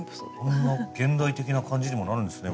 こんな現代的な感じにもなるんですね